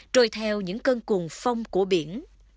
trôi theo những cơn cuồng phong của biển